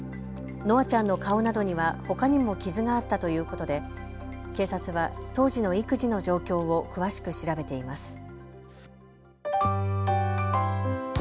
夢空ちゃんの顔などにはほかにも傷があったということで警察は当時の育児の状況を詳しく調べています。